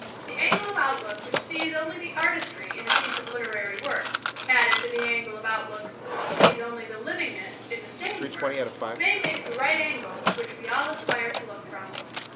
The angle of outlook which sees only the artistry in a piece of literary work added to the angle of outlook which sees only the livingness in the same work may make the right angle which we all aspire to look from.